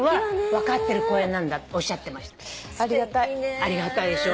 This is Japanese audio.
ありがたいでしょ。